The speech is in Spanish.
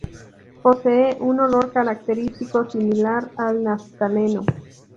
Posee un olor característico, similar al naftaleno.